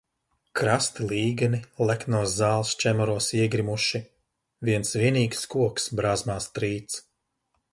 Krasti līgani leknos zāles čemuros iegrimuši, viens vienīgs koks brāzmās trīc.